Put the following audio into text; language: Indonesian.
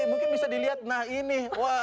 mungkin bisa dilihat nah ini